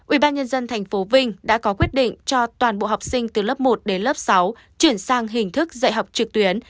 ubnd tp vinh đã có quyết định cho toàn bộ học sinh từ lớp một đến lớp sáu chuyển sang hình thức dạy học trực tuyến